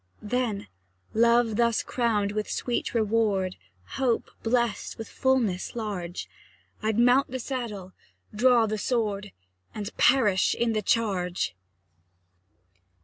Then Love thus crowned with sweet reward, Hope blest with fulness large, I'd mount the saddle, draw the sword, And perish in the charge!